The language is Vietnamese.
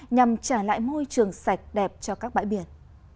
nhằm trả lại môi trường sạch đẹp cho các bãi biển